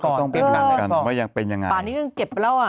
ต้องเป็นรังกันว่ายังเป็นยังไงป่านี้ยังเก็บไปแล้วอ่ะ